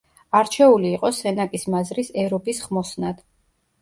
არჩეული იყო სენაკის მაზრის ერობის ხმოსნად.